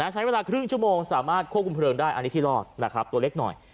ใช้เวลาครึ่งชั่วโมงสามารถควบคุมเพลิงได้อันนี้ที่รอดนะครับตัวเล็กหน่อย